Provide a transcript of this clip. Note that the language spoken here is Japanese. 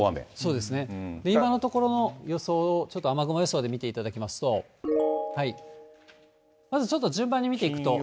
そうですね、今のところの予想をちょっと、雨雲予想で見ていただきますと、まずちょっと、順番に見ていくと。